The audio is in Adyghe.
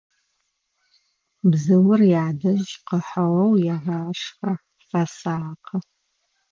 Бзыур ядэжь къыхьыгъэу егъашхэ, фэсакъы.